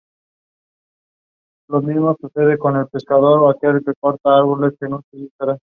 Barry Town ha tenido varios escudos a lo largo de su historia.